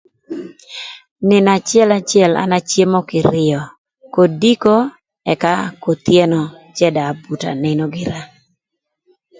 Nïnö acëlacël an acemo kïrïö, kodiko ëka kothyeno ëka dong abuto anïnö gïra.